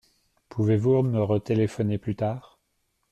Pouvez-vous me retéléphoner plus tard ?